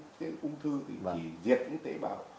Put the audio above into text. cái ung thư thì chỉ diệt những tế bào